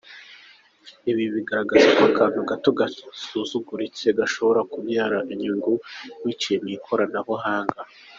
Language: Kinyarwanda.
Ibi bigaragaza ko akantu gato gasuzuguritse gashobora kubyara inyungu biciye mu ikoranabuhanga.